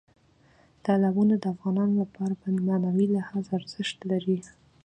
تالابونه د افغانانو لپاره په معنوي لحاظ ارزښت لري.